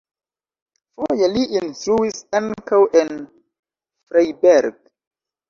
Foje li instruis ankaŭ en Freiberg.